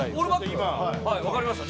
はい分かりました。